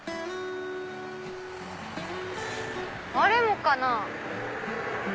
あれもかな？